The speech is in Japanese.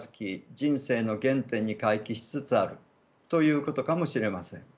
人生の原点に回帰しつつあるということかもしれません。